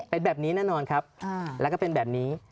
เป็นแบบนี้แน่นอนครับแล้วก็เป็นแบบนี้